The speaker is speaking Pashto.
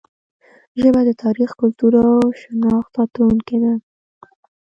ژبه د تاریخ، کلتور او شناخت ساتونکې ده.